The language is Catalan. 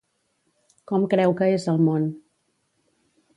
Com creu que és el món?